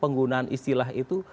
penggunaan presiden itu adalah satu